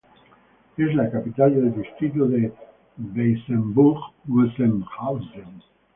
Es la capital del Distrito de Weißenburg-Gunzenhausen.